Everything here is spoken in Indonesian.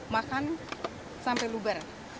bahkan sampai lubar